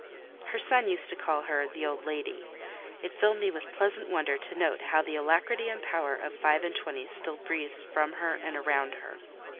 Her son used to call her "the old lady;" it filled me with pleasant wonder to note how the alacrity and power of five and twenty still breathed from her and around her.